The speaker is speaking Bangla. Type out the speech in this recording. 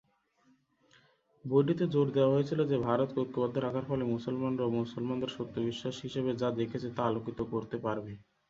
বইটিতে জোর দেওয়া হয়েছিল যে ভারতকে ঐক্যবদ্ধ রাখার ফলে মুসলমানরা অ-মুসলমানদের সত্য বিশ্বাস হিসাবে যা দেখেছে তা আলোকিত করতে পারবে।